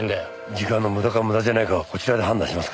時間の無駄か無駄じゃないかはこちらで判断しますから。